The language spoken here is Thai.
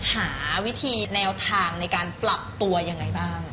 หาวิธีแนวทางในการปรับตัวยังไงบ้าง